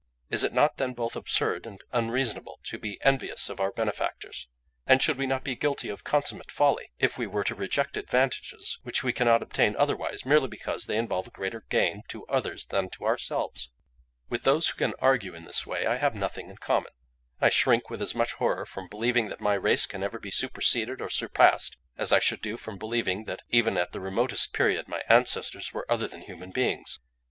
Is it not then both absurd and unreasonable to be envious of our benefactors? And should we not be guilty of consummate folly if we were to reject advantages which we cannot obtain otherwise, merely because they involve a greater gain to others than to ourselves? "With those who can argue in this way I have nothing in common. I shrink with as much horror from believing that my race can ever be superseded or surpassed, as I should do from believing that even at the remotest period my ancestors were other than human beings.